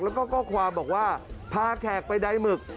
แล้วก็ข้อความบอกว่าพาแขกไปใดหมึก